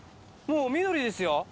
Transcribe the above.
もう緑ですよ！